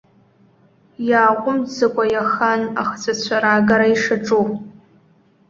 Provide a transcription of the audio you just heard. Иааҟәымҵӡакәа иахан ахҵәацәа раагара ишаҿу.